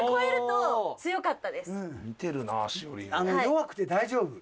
弱くて大丈夫。